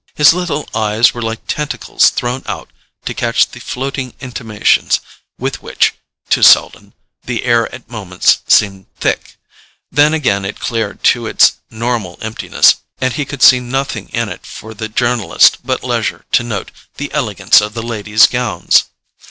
His little eyes were like tentacles thrown out to catch the floating intimations with which, to Selden, the air at moments seemed thick; then again it cleared to its normal emptiness, and he could see nothing in it for the journalist but leisure to note the elegance of the ladies' gowns.